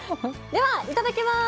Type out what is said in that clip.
ではいただきます！